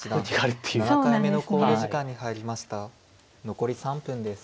残り３分です。